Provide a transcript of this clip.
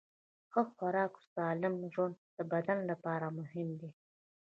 ښه خوراک او سالم ژوند د بدن لپاره مهم دي.